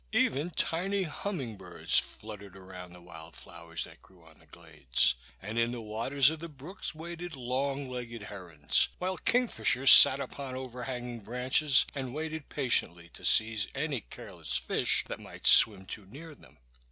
Even tiny humming birds fluttered around the wild flowers that grew in the glades; and in the waters of the brooks waded long legged herons, while kingfishers sat upon overhanging branches and waited patiently to seize any careless fish that might swim too near them.